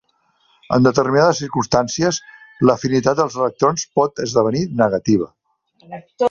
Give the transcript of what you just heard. En determinades circumstàncies, l'afinitat dels electrons pot esdevenir negativa.